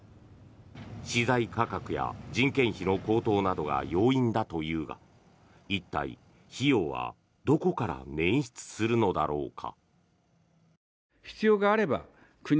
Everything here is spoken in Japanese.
資材価格や人件費の高騰などが要因だというが一体、費用はどこから捻出するのだろうか。